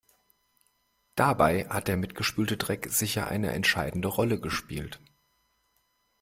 Dabei hat der mitgespülte Dreck sicher eine entscheidende Rolle gespielt.